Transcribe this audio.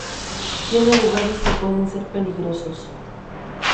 Tiene lugares que pueden ser peligrosos.